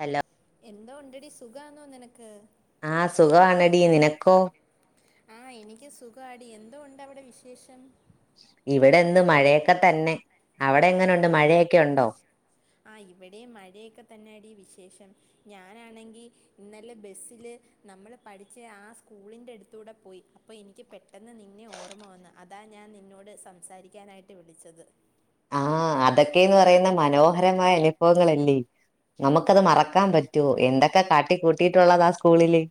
Hello എന്തോ ഉണ്ടടി സുഖാന്നോ നിനക്ക് ആഹ സുഖമാണടീ നിനക്കോ ആഹ് എനിക്കും സുഖാടി എന്തോണ്ട് അവിടെ വിശേഷം ഇവിടെന്ന് മഴയൊക്കെ തന്നെ അവിടെ എങ്ങനെണ്ട് മഴയൊക്കെ ഉണ്ടോ ആ ഇവടിം മഴയൊക്കെ തന്നെടീ വിശേഷം ഞാനാണെങ്കിൽ ഇന്നലെ ബസ്സില് നമ്മൾ പഠിച്ച് ആ സ്കൂളിൻ്റെ അടുത്തൂടെ പോയി അപ്പോൾ എനിക്ക് പെ പെട്ടെന്ന് നിന്നെ ഓർമ്മ വന്ന് അതാ ഞാൻ നിന്നോട് സംസാരിക്കാനായിട്ട് വിളിച്ചത് ആഹ് അതൊക്കെന്ന് പറയുന്നെ മനോഹരമായ അനുഭവങ്ങളല്ലേ നമുക്കത് മറക്കാൻ പറ്റോ എന്തൊക്കെ കാട്ടി കൂട്ടിയിട്ടുള്ളതാ സ്കൂളില്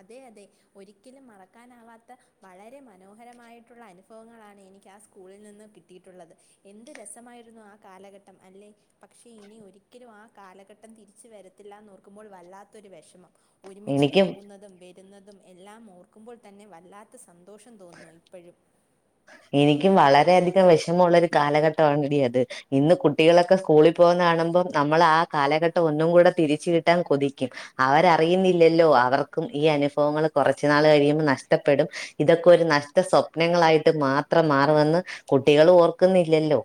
അതെ അതെ ഒരിക്കലും മറക്കാനാവാത്ത വളരെ മനോഹരമായിട്ടുള്ള അനുഭവങ്ങളാണ് എനിക്ക് ആ സ്കൂളിൽ നിന്ന് കി കിട്ടിയിട്ടുള്ളത് എന്ത് രസമായിരുന്നു ആ കാലഘട്ടം അല്ലെ പക്ഷെ ഇനി ഒരിക്കലും ആ കാലഘട്ടം തിരിച്ച് വരത്തില്ലാന്ന് ഓർക്കുമ്പോൾ വല്ലാത്തൊരു വിഷമം ഒരുമിച്ച് എനിക്കും പോവുന്ന തും വരുന്നതും എല്ലാം ഓർക്കുമ്പോൾ തന്നെ വല്ലാത്ത സന്തോഷം തോന്നുന്നു ഇപ്പഴും എനിക്കും വളരെയധികം വെഷമം ഉള്ള ഒരു കാലഘട്ടമാണ് എടീ അത് ഇന്ന് കുട്ടികളൊക്കെ സ്കൂളിൽ പോകുന്നെ കാണുമ്പം നമ്മൾ ആ കാലഘട്ടം ഒന്നും കൂടെ തിരിച്ച് കിട്ടാൻ കൊതിക്കും അവരറിയുന്നില്ലല്ലോ അവർക്കും ഈ അനുഭവങ്ങൾ കുറച്ചുനാൾ കഴിയുമ്പോൾ നഷ്ടപ്പെടും ഇതൊക്കെ ഒരു നഷ്ട സ്വപ്നങ്ങളായിട്ട് മാത്രം മാറുമെന്ന് കുട്ടികളും ഓർക്കുന്നില്ലല്ലോ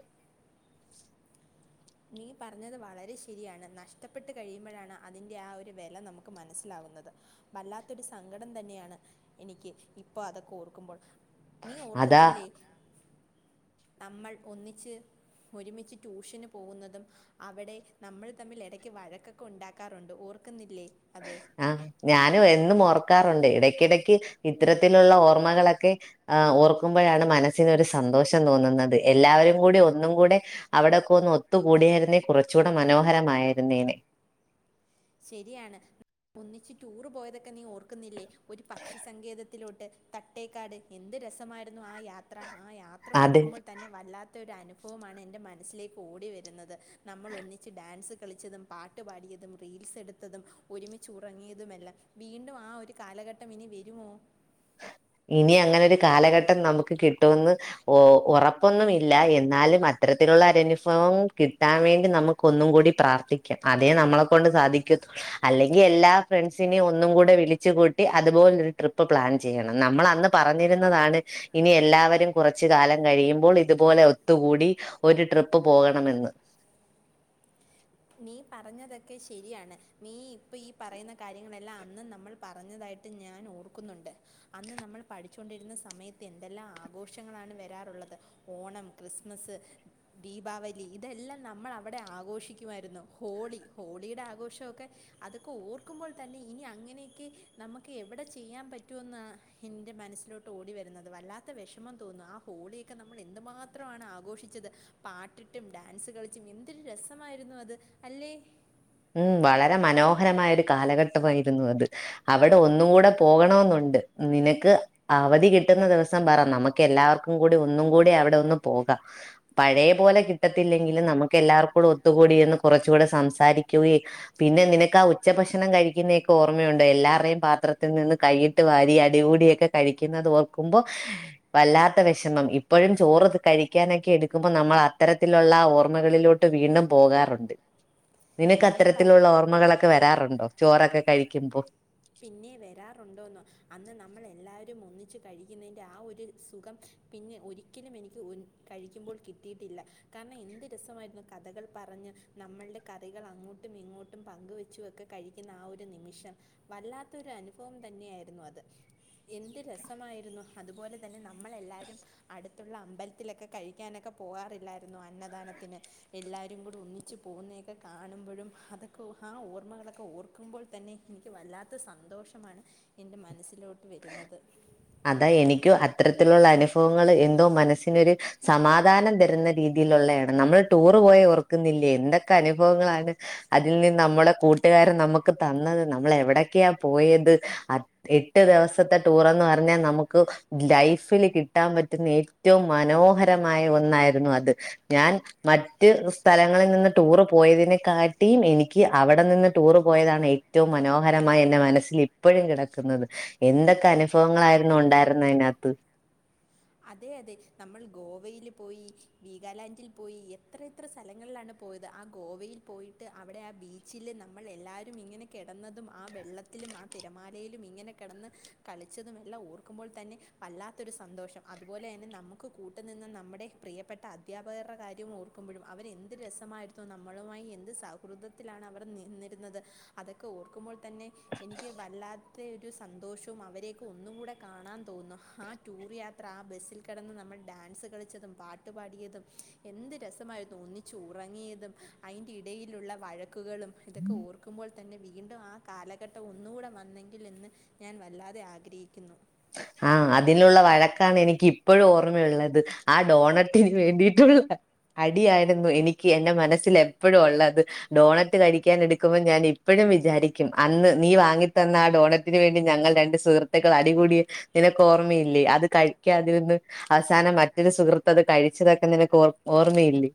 നീ പറഞ്ഞത് വളരെ ശരിയാണ് നഷ്ടപ്പെട്ട് കഴിയുമ്പോഴാണ് അതിൻ്റെ ആ ഒരു വില നമുക്ക് മനസ്സിലാകുന്നത് വല്ലാത്തൊരു സങ്കടം തന്നെയാണ് എനിക്ക് ഇപ്പോ അതൊക്കെ ഓർക്കുമ്പോൾ നീ അതാ ഓർക്കുന്നില്ലേ നമ്മൾ ഒന്നിച്ച് ഒരുമിച്ച് ട്യൂഷന് പോകുന്നതും അവിടെ നമ്മൾ തമ്മിൽ ഇടക്ക് വഴക്കൊക്കെ ഉണ്ടാക്കാറുണ്ട് ഓർക്കുന്നില്ലേ അത് ആഹ് ഞാനും എന്നും ഓർക്കാറുണ്ട് ഇടക്കിടക്ക് ഇത്തരത്തിലുള്ള ഓർമ്മകളൊക്കെ ആഹ് ഓർക്കുമ്പോഴാണ് മനസ്സിനൊരു ഒരു സന്തോഷം തോന്നുന്നത് എല്ലാവരും കൂടി ഒന്നും കൂടെ അവിടെയൊക്കെ ഒന്ന് ഒത്തുകൂടിയായിരുന്നേ കുറച്ചുകൂടെ മനോഹരമായിരുന്നേനെ ശരിയാണ് ഒന്നിച്ച് ടൂറ് പോയതൊക്കെ നീ ഓർക്കുന്നില്ലേ ഒരു പക്ഷിസങ്കേത ത്തിലോട്ട് തട്ടേക്കാട് എന്ത് രസമായിരുന്നു ആ യാ ത്ര ആ യാത്ര അത് ഓർക്കുമ്പോൾ തന്നെ വല്ലാത്തൊരു അനു അനുഭവുമാണ് എൻ്റെ മനസ്സിലേക്ക് ഓടി വരുന്നത് നമ്മൾ ഒന്നിച്ച് ഡാൻസ് കളിച്ചതും പാട്ട് പാടിയതും റീൽസ് എടുത്തതും ഒരുമിച്ചു ഉറങ്ങിയതുമെല്ലാം വീണ്ടും ആ ഒരു കാലഘട്ടം ഇനി വരുമോ ഇനി അങ്ങനെ ഒരു കാലഘട്ടം നമുക്ക് കിട്ടുവന്ന് ഓ ഉറപ്പൊന്നും ഇല്ല എന്നാലും അത്തരത്തിലുള്ള ഒരു അനുഭവം കിട്ടാൻ വേണ്ടി നമുക്ക് ക്കു ഒന്നും കൂടി പ്രാർത്ഥിക്കാം അതേ നമ്മള് കൊണ്ട് സാധിക്കത്തു അല്ലെങ്കി എല്ലാ ഫ്രണ്ട്സിനെയും ഒന്നും കൂടെ വിളിച്ചു കൂ ട്ടി അതുപോലൊരു ട്രിപ്പ് പ്ലാൻ ചെയ്യണം നമ്മൾ അന്ന് പറഞ്ഞിരുന്നതാണ് ഇനി എല്ലാവരും കൊറച്ച് കാലം കഴിയുമ്പോൾ ഇതുപോലെ ഒത്തുകൂടി ഒരു ട്രിപ്പ് പോകണമെന്ന് നീ പറഞ്ഞതൊക്കെ ശരിയാണ് നീ ഇപ്പം ഈ പറയുന്ന കാര്യങ്ങളെല്ലാം അന്ന് നമ്മൾ പറഞ്ഞതായിട്ട് ഞാൻ ഓർക്കുന്നുണ്ട് അന്ന് നമ്മൾ പഠിച്ചൊണ്ടിരുന്ന സമയത്ത് എന്തെല്ലാം ആഘോഷങ്ങളാണ് വരാറുള്ളത് ഓണം ക്രിസ്മസ് ദീപാവലി ഇതെല്ലാം നമ്മൾ അവിടെ ആഘോഷിക്ക ക്കുവാരുന്നു ഹോളി ഹോളിയുടെ ആഘോഷമൊക്കെ അതൊക്കെ ഓർക്കുമ്പോൾ തന്നെ ഇനി അങ്ങനെയൊക്കെ നമുക്ക് എവിടെ ചെയ്യാൻ പറ്റുവെന്നാണ് എൻ്റെ മനസ്സിലോട്ട് ഓടി വരുന്നത് വല്ലാത്ത വിഷമം തോന്നാ ആഹ് ഹോളിയൊക്കെ നമ്മള് എന്തു മാത്രമാണ് ആഘോഷിച്ചത് പാട്ടിട്ടും ഡാൻസ് കളിച്ചും എന്തൊരു രസ മായിരുന്നു അത് അല്ലെ ഉം വളരെ മനോഹരമായ ഒരു കാലഘട്ടമായിരുന്നു അത് അവിടെ ഒന്നും കൂടെ പോകണവെന്നുണ്ട് നിനക്ക് അവധി കിട്ടുന്ന ദിവസം പറ നമുക്ക് എല്ലാവർക്കും കൂടി ഒന്നും കൂടി അവിടെ ഒന്ന് പോകാം പഴയ പോലെ കിട്ടത്തില്ലെങ്കിലും നമുക്ക് എല്ലാർക്കൂടെ ഒത്തുകൂടിയിരുന്ന് കുറച്ചൂടെ സംസാരി ക്കുവേം പിന്നെ നിനക്ക് ആഹ് ഉച്ചഭക്ഷണം കഴിക്കുന്നതൊക്കെ ഓർമ്മയുണ്ടോ എല്ലാർടെം പാത്രത്തിൽ നിന്ന് കൈയിട്ട് വാരി അടികൂടിയൊക്കെ കഴിക്കുന്നത് ഓർക്കുമ്പോ വല്ലാത്ത വിഷമം ഇപ്പോഴും ചോറ് ത് കഴിക്കാനൊക്കെ എടുക്കുമ്പോ നമ്മൾ അത്തരത്തിലുള്ള ഓർമ്മകളിലോ ട്ട് വീണ്ടും പോകാറോണ്ട് നിനക്ക് നീ പ അത്തരത്തിലുള്ള ഓർമ്മകളൊക്കെ വരാറുണ്ടോ ചോറൊക്കെ കഴിക്കുമ്പോ പിന്നെ വരാറുണ്ടോന്നോ അന്ന് നമ്മൾ എല്ലാവരും ഒന്നിച്ച് കഴിക്കുന്നതിന്റെ ആ ഒരു സുഖം പിന്നെ ഒരിക്കലും എനിക്ക് ഒൻ കഴിക്കുമ്പോൾ കിട്ടിയിട്ടില്ല കാരണം എന്ത് രസമായിരുന്നു കഥകൾ പറഞ്ഞ് നമ്മൾടെ കറികൾ അങ്ങോട്ടും ഇങ്ങോട്ടും പങ്കുവെച്ചും ഒക്കെ കഴിക്കുന്ന ആ ഒരു നിമിഷം വല്ലാത്ത ഒരു അനുഭവം തന്നെയായിരുന്നു അത് എന്ത് രസമായിരുന്നു അത്പോലെ തന്നെ നമ്മളെല്ലാരും അട് ത്തുള്ള അമ്പൽത്തിലൊക്കെ കഴിക്കാനൊക്കെ പോവാറില്ലാര്ന്നോ അന്നദാനത്തിന് എല്ലാരും കൂടി ഒന്നി ച്ച് പോകുന്നയൊക്കെ കാണുമ്പഴും അതൊക്കെ ഓ ആ ഓർമ്മകളൊക്കെ ഓർക്കുമ്പോൾ തന്നെ ക്ക് വല്ലാത്ത സന്തോഷമാണ് എൻ്റെ മനസ്സിലോട്ട് വരുന്നത്. അതാ എനിക്കും അത്തരത്തിലുള്ള അനുഫഅങ്ങള് എന്തോ മനസ്സിനൊര് സമാധാനം തരുന്ന രീതിയിലൊള്ളയാണ് നമ്മള് ടൂറ് പോയെ ഓർക്കുന്നില്ലേ എന്തൊക്കെ അനുഭവങ്ങളാണ്. അതിൽ നിന്ന് ന്നമ്മടേ കൂട്ടുകാരൻ ന്നമ്മുക്ക് തന്നത് ന്നമ്മള് എവടൊക്കെയാ പോയത് അ എട്ട് ദിവസത്തെ ടൂറെന്ന് പർഞ്ഞാ നമുക്ക് ലൈഫില് കിട്ടാൻ പറ്റുന്ന ഏ റ്റവും മനോഹരമായ ഒന്നായിരുന്നു അത് ഞാൻ മറ്റ് സ്ഥലങ്ങളിൽ നിന്ന് ടൂറ് പോയതിനെക്കാട്ടീം എനിക്ക് അവടെ നിന്ന് ടൂറ് പോയതാണ് ഏ റ്റവും മനോഹരമായി എന്റെ മനസ്സില് ഇപ്പഴും കേടക്കുന്നത്. എന്തൊക്കെ അനുഫവങ്ങളായിരുന്നു ഉണ്ടായിരുന്നെ അയ്നകത്ത്. അതെ അതെ ന്നമ്മൾ ഗോവയില് പോയി, വീഗാലാന്റിൽ പോയി, എത്ര എ ത്ര സ്ഥലങ്ങൾലാണ് പോയത് ആ ഗോവയിൽ പോയിട്ട് അവടെ ആ ബീച്ചില് ന്നമ്മൾ എല്ലാരും ഇങ്ങനെ കേടന്നതും ആ വെള്ളത്തിലും ആ തിരമാലയിലും ഇങ്ങനെ കേടന്ന് കളിച്ചതും എല്ലാം ഓർക്കുമ്പോൾ തന്നെ വല്ലാത്തൊരു സന്തോഷം. അത്പോലെന്നെ ന്നമ്മുക്ക് കൂട്ടു നിന്ന് നമ്മടെ പ്രിയപ്പെട്ട അധ്യാപകർടെ കാര്യം ഓർക്കുമ്പഴും അവരെന്ത് രസമാരു ത്തു നമ്മളുമായി എന്ത് സൗഹൃദത്തിലാണ് അവർ നിന്നിരുന്നത്. അതൊക്കെ ഓർക്കുമ്പോൾ തന്നെ എനിക്ക് വല്ലാത്തെ ഒരു സന്തോഷോം അവരെയൊക്കെ ഒന്നുംകൂടെ കാണാൻ തോന്ന് ആ ടൂർ യാ ത്ര, ആ ബസ്സിൽ കെടന്ന് നമ്മൾ ഡാൻസ് കളിച്ചതും പാട്ട് പാടിയതും എന്ത് രസമായിരുന്നു ഒന്നി ച്ചുറങ്ങിയതും അയ്ന്റെ ഇടയിലുള്ള വഴക്കുകളും ഇതൊക്കെ ഓർക്കുമ്പോൾ തന്നെ വീ വീണ്ടും ആ കാലഘട്ടം ഒന്നുകൂടെ വന്നെങ്കിൽ എന്ന് ഞാൻ വല്ലാതെ ആഗ്രഹിക്കുന്നു. ആഹ്, അതിലുള്ള വഴക്കാണ് എനിക്ക് ഇപ്പഴും ഓർമ്മയുള്ളത് ആ ഡോണറ്റിന് വേണ്ടീട്ടുള്ള അടിയായിരുന്നു എനിക്ക് എന്റെ മനസ്സിൽ എപ്പഴും ഒള്ളത്. ഡോണറ്റ് കഴിക്കാൻ എടുക്കുമ്പോൾ ഞാൻ ഇപ്പോഴും വിചാരിക്കും അന്ന് നീ വാങ്ങി തന്ന ആ ഡോണ തിനുവേണ്ടി ഞങ്ങൾ രണ്ട് സുഹൃത്തുക്കൾ അടികൂടി നിനക്ക് ഓർമ്മയില്ലേ അത് കഴിക്കാതിരുന്ന് അവസാനം മറ്റൊരു സുഹൃത്ത് അത് കഴിച്ചതൊക്കെ നിനക്ക് ഓ ഓർമ്മയില്ലേ.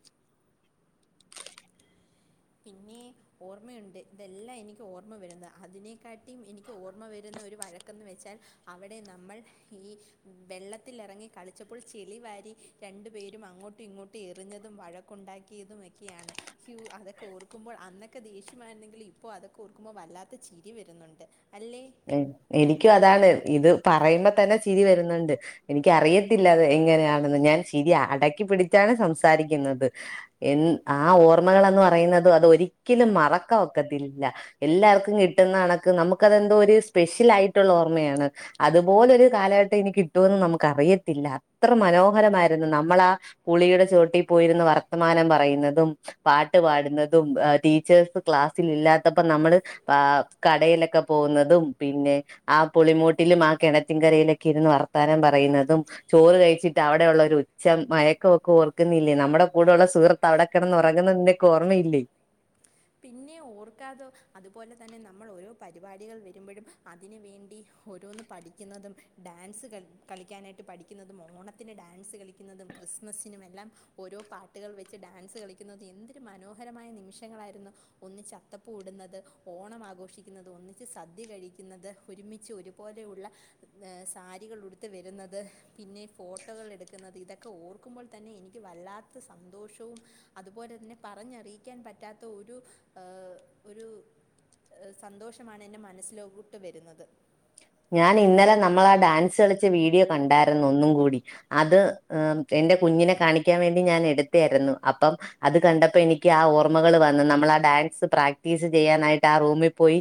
പിന്നെ ഓർമ്മയുണ്ട് ഇതെല്ലാം എനിക്ക് ഓർമ്മ വരുന്ന് അതിനെക്കാട്ടീം എനിക്ക് ഓർമ്മ വരുന്ന ഒരു വഴക്കന്ന് വെച്ചാൽ അവടെ ന്നമ്മൾ ഈ വെള്ളത്തിലറങ്ങി കളിച്ചപ്പോൾ ചെളിവാരി രണ്ടു പേരും അങ്ങോട്ടും ഇങ്ങോട്ടും എറിഞ്ഞതും വഴക്കുണ്ടാക്കിയതും ഒക്കെയാണ് ഹ്യൂ അ ക്കെ ഓർക്കുമ്പോൾ അന്നൊക്കെ ദേഷ്യം ആരുന്നെങ്കിൽ ഇപ്പോൾ അതൊക്കെ ഓർക്കുമ്പോ വല്ലാത്ത ചിരി വരുന്നുണ്ട് അല്ലേ. എനിക്കും അതാണ് ഇത് പറയുമ്പോ തന്നെ ചിരി വരുന്നുണ്ട്. എനിക്ക് അറിയത്തില്ല അത് എങ്ങനെയാണെന്ന് ഞാൻ ചിരി അടക്കി പിടിച്ചാണ് സംസാരിക്കുന്നത്. എൻ ആ ഓർമ്മകൾ എന്ന് പറയുന്നത് അത് ഒരിക്കലും മറക്കാ ഒക്കത്തില്ല. എല്ലാവർക്കും കിട്ടുന്ന കണക്ക് നമുക്കതെന്തോ ഒരു സ്പെഷ്യലാ ആയിട്ടുള്ള ഓർമ്മയാണ്. അത്പോലൊരു കാലഘട്ടം ഇനി കിട്ടുഓന്ന് നമുക്ക് അറിയത്തില്ല അത്ര മനോഹരമായിരുന്നു ന്നമ്മളാ പുളിയുടെ ചുവട്ടിൽ പോയിരുന്ന് വർത്തമാനം പറയുന്നതും. പാട്ട് പാടുന്നതും ടീച്ചേഴ്സ് ക്ലാസ്സിൽ ഇല്ലാത്തപ്പം ന്നമ്മള് കടയിലൊക്ക പോവ്ന്നതും പിന്നെ ആ പുളിമോട്ടിലും ആ കേണറ്റിൻ കരയിലൊക്കെ ഇരുന്ന് വർത്താനം പറയുന്നതും ചോറ് കഴിച്ചിട്ട് അവടെയുള്ള ഒരു ഉച്ച മയക്കവൊക്കെ ഓർക്കുന്നില്ലേ ന്നമ്മടെ കൂടെയുള്ള സുഹൃ അവടെക്കെടന്ന് ഒറങ്ങുന്നത് നിനക്ക് ഓർമ്മയില്ലേ? പിന്നെ ഓർക്കാതൊ അതുപോലെ തന്നെ നമ്മൾ ഓരോ പരിപാടികൾ വരുമ്പഴും അതിന് വേണ്ടി ഓരോന്ന് പഠിക്കുന്നതും ഡാൻസ് കളി കളിക്കാനായിട്ട് പഠിക്കുന്നതും ഓണത്തിന് ഡാൻസ് കളിക്കുന്നതും ക്രിസ്മസിനുമെല്ലാം ഓരോ പാട്ടുകൾ വെച്ച് ഡാൻസ് കളിക്കുന്നത് എന്തൊരു മനോഹരമായ നിമിഷങ്ങളായിരുന്നു ഒന്നിച്ച് അത്തപ്പൂ ഇടുന്നത് ഓണം ആഘോഷിക്കുന്നത് ഒന്നിച്ച് സദ്യ കഴിക്കുന്നത് ഒരുമിച്ച് ഒരു പോലെയുള്ള സാരികള് ഉടുത്ത് വരുന്നത് പിന്നെ ഫോട്ടോകൾ എടു ക്കുന്നത് ഇതൊക്കെ ഓർക്കുമ്പോൾ തന്നെ എനിക്ക് വല്ലാത്ത സന്തോഷവും അതുപോലെ തന്നെ പറഞ്ഞറിയിക്കാൻ പറ്റാത്ത ഒരു ഏഹ് ഒരു സന്തോഷമാണ് എൻ്റെ മനസ്സിലോട്ട് വരുന്നത് ഞാൻ ഇന്നലെ നമ്മളാ ഡാൻസ് കളിച്ച വീഡിയോ കണ്ടാരുന്നു ഒന്നും കൂടി അത് ഏഹ് എന്റെ കുഞ്ഞിനെ കാണിക്കാൻ വേണ്ടി ഞാൻ എടുത്തേയാരുന്നു അപ്പം അത് കണ്ടപ്പോ എനിക്ക് ആ ഓർമ്മകൾ വന്നു നമ്മള് ആ ഡാൻസ് പ്രാക്ടീസ് ചെയ്യാനായിട്ട് ആ റൂമി പോയി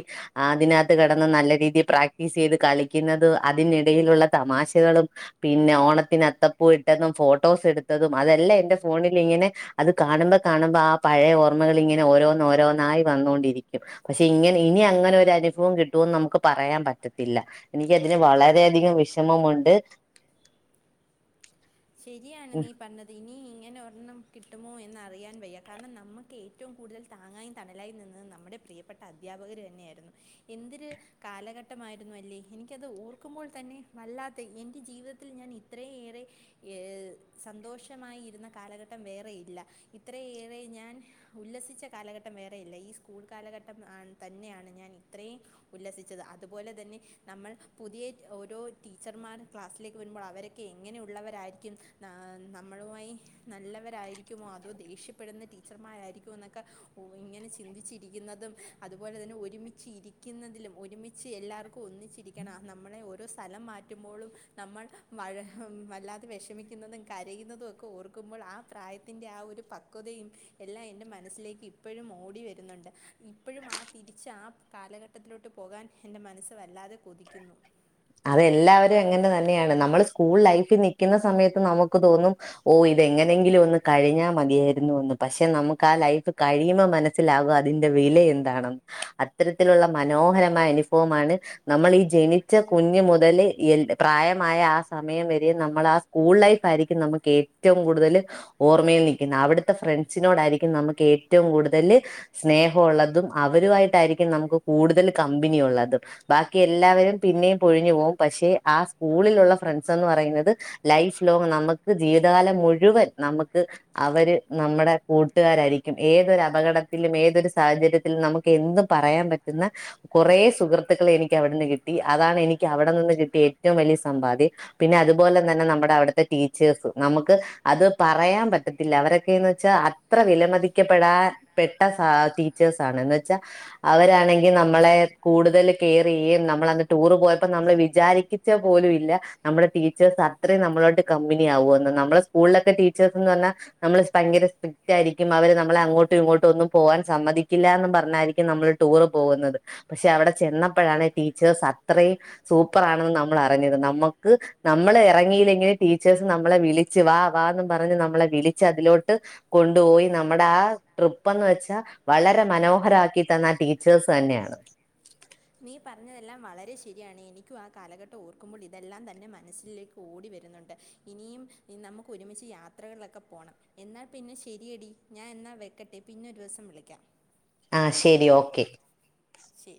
അതിനത്ത് കെടന്ന് നല്ല രീതി പ്രാക്ടീസ് ചെയ്ത് കളിക്കുന്നത് അതിനിടയിലുള്ള തമാശകളും പിന്നെ ഓണത്തിന് അത്തപ്പൂ ഇട്ടതും ഫോട്ടോസ് എടുത്തതും അതെല്ലാം എന്റെ ഫോണിലിങ്ങനെ അത് കാണുമ്പോ കാണുമ്പോ ആ പഴയ ഓർമ്മകൾ ഇങ്ങനെ ഓരോന്നോ ഓരോന്നായി വന്നോണ്ടിരിക്കും പക്ഷേ ഇങ്ങനെ ഇനി അങ്ങനെ ഒരു അനുഭവം കിട്ടുവോന്ന് നമുക്ക് പറയാൻ പറ്റ ത്തില്ല എനിക്ക് അതിന് വളരെയധികം വിഷമമോണ്ട് ശെരിയാണ് നീ പറഞ്ഞത് ഇനി ഇങ്ങനെ ഒരെണ്ണം കിട്ടുമോ എന്ന് അറിയാൻ വയ്യ കാരണം നമ്മക്കേ ഏറ്റോം കൂടുതൽ താങ്ങായും തണലായി നിന്നത് നമ്മുടെ പ്രിയപ്പെട്ട അധ്യാപകര് തന്നെയാരുന്നു എന്തര് കാലഘട്ടമായിരുന്നു അല്ലേ എനിക്കത് ഓർക്കുമ്പോൾ തന്നെ വല്ലാത്ത എൻ്റെ ജീവിതത്തിൽ ഞാൻ ഇത്രയേറെ ഏഹ് സന്തോഷമായിരുന്ന കാലഘട്ടം വേറെയില്ല ഇത്രയേറെ ഞാൻ ഉല്ലസിച്ച കാലഘട്ടം വേറെ ഇല്ല ഈ സ്കൂൾ കാലഘട്ടം ആ തന്നെയാണ് ഞാൻ ഇത്രേം ഉല്ലസിച്ചത് അതുപോലെ തന്നെ നമ്മൾ പുതിയ ഓരോ ടീച്ചർമാർ ക്ലാസ്സിലേക്ക് വരുമ്പോൾ അവരെ ക്കെ എങ്ങനെയുള്ളവര ക്കും നമ്മളുമായി നല്ലവരാരിക്കുമോ അതോ ദേഷ്യപ്പെടുന്ന ടീച്ചർമാരായിരിക്കുമോ എന്നൊക്കെ ഇങ്ങനെ ചിന്തിച്ചിരിക്കുന്നതും അതുപോലെ തന്നെ ഒരുമിച്ച് ഇരിക്കുന്നതിലും ഒരുമിച്ച് എല്ലാർക്കും ഒന്നിച്ചിരി ക്കണം നമ്മളെ ഓരോ സ്ഥലം മാറ്റുമ്പോഴും നമ്മൾ വല്ലാ വെഷമിക്കുന്നതും കരയുന്നതും ഒക്കെ ഓർക്കുമ്പോൾ ആ പ്രായത്തിന്റെ ആ ഒരു പക്വതയും എല്ലാം എൻ്റെ മനസ്സിലേക്ക് ഇപ്പോഴും ഓടി വരുന്നോണ്ട് ഇപ്പഴും ആ തിരിച്ച് ആഹ് കാലഘട്ടത്തിലോട്ട് പോകാൻ എൻ്റെ മനസ്സ് വല്ലാതെ കൊതിക്കുന്നു. അതെല്ലാവരും അങ്ങനെ തന്നെയാണ് നമ്മള് സ്കൂൾ ലൈഫിൽ നിക്കുന്ന സമയത്ത് നമുക്ക് തോന്നും ഓഹ് ഇതെങ്ങനെങ്കിലും ഒന്ന് കഴിഞ്ഞാ മതിയായിരുന്നു എന്ന് പക്ഷെ നമുക്ക് ആ ലൈഫ് കഴിയുമ്പോ മന സ്സിലാകും അതിന്റെ വില എന്താണെന്ന് അത്തരത്തിലുള്ള മനോഹരമായ അനുഭവമാണ് നമ്മളി ജനിച്ച കുഞ്ഞ് മുതല് പ്രായമായ ആ സമയം വരെ നമ്മൾ ആ സ്കൂൾ ലൈഫ് ആയിരിക്കും നമ്മക്ക് ഏ റ്റോം കൂടുതല് ഓർമ്മയിൽ നിക്കുന്ന അവടുത്തെ ഫ്രണ്ട്സിനോടാരിക്കും നമുക്ക് ഏറ്റോം കൂടുതല് സ്നേഹം ഒള്ളതും അവരുമായിട്ടായിരിക്കും നമുക്ക് കൂടുതൽ കമ്പിനിയൊള്ളതും ബാക്കി എല്ലാവരും പിന്നെയും പൊഴിഞ്ഞു പോവും പക്ഷെ ആ സ്കൂളിലുള്ള ഫ്രണ്ട്സ് എന്ന് പറയുന്നത് ലൈഫ് ലോങ്ങ് നമ്മക്ക് ജീവിതകാലം മുഴുവൻ നമ്മക്ക് അവര് നമ്മടെ കൂട്ടുകാരായിരിക്കും ഏതൊരു അപകടത്തിലും ഏതൊരു സാഹചര്യ ത്തിൽ നമുക്ക് എന്തും പറയാൻ പറ്റുന്ന കൊറെ സുഹൃത്തുക്കളെ എനിക്ക് അവിടുന്ന് കിട്ടി അതാണ് എനി ക്കവടെ നിന്ന് കിട്ടിയ ഏറ്റോം വല്യ സമ്പാദ്യം. പിന്നെ അതുപോലെ തന്നെ നമ്മുടെ അവിടുത്തെ ടീച്ചേഴ്സ് നമുക്ക് അത് പറയാൻ പറ്റത്തില്ല അവരൊക്കെയന്ന് വെച്ചാ അത്ര വിലമതിക്കപ്പെടാൻ പെട്ട സ ടീച്ചേഴ്സ് ആണ്ന്ന് വെച്ചാ അവരാണെങ്കി നമ്മളെ കൂടുതല് കെയർ ചെയ്യേം നമ്മളന്ന് ടൂറ് പോയ ഇപ്പൊ നമ്മൾ വിചാരിക്കച്ച പോലും ഇല്ല നമ്മുടെ ടീച്ചേഴ്സ് അത്രയും നമ്മളോട്ട് കമ്പിനിയ ആകൂന്ന് നമ്മുടെ സ്കൂളിലൊക്കെ ടീച്ചേഴ്സ് എന്ന് പറഞ്ഞാൽ നമ്മള് ഭയങ്കര സ്ട്രിക്റ്റ് ആയിരിക്കും അവര് നമ്മളെ അങ്ങോട്ടും ഇങ്ങോട്ടും ഒന്നും പോകവാൻ സമ്മതിക്കില്ലന്ന് പറഞ്ഞായിരിക്കും നമ്മൾ ടൂറ് പോകുന്നത് പക്ഷെ അവിടെ ചെന്നപ്പോഴാണ് ടീച്ചേഴ്സ് അത്രയും സൂപ്പർാണെന്ന് നമ്മൾ അറിഞ്ഞത് നമ്മുക്ക് നമ്മള ഇറങ്ങീലങ്കിലുംടീച്ചേഴ്സ് നമ്മളെ വിളിച്ചു വാ വാന്ന് പറഞ്ഞ് നമ്മളെ വിളിച്ച് അതിലോട്ട് കൊണ്ടുപോയി നമ്മുടെ ആ ട്രിപ്പ്ന്ന് വെച്ചാ വളരെ മനോഹരക്കി തന്ന ടീച്ചേഴ്സ് തന്നെയാണ് നീ പറഞ്ഞതെല്ലാം വളരെ ശരിയാണ് എനിക്കും ആ കാലഘട്ടം ഓർക്കുമ്പോൾ ഇതെല്ലാം തന്നെ മനസ്സിലേക്ക് ഓടി വരുന്നുണ്ട് ഇനിയും നമുക്ക് ഒരുമിച്ച് യാത്രകളിലൊക്കെ പോണം എന്നാൽ പിന്നെ ശരിയടി ഞാൻ എന്നാൽ വെക്കട്ടെ പിന്നെരു ദിവസം വിളിക്കാം ആ ശരി ഓക്കെ ശരി